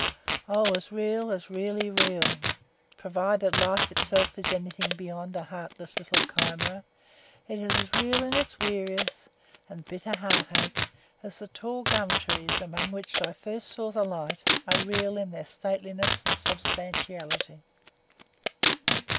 Oh! as real, as really real provided life itself is anything beyond a heartless little chimera it is as real in its weariness and bitter heartache as the tall gum trees, among which I first saw the light, are real in their stateliness and substantiality.